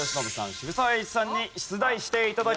渋沢栄一さんに出題して頂きます。